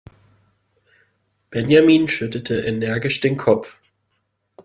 Benjamin schüttelte energisch den Kopf.